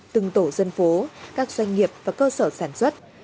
từng tổ dân phố các doanh nghiệp và cơ sở sản xuất